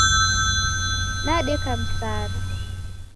Nadeka Msara.